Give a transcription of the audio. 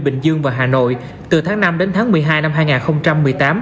bình dương và hà nội từ tháng năm đến tháng một mươi hai năm hai nghìn một mươi tám